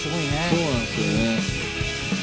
そうなんですよね。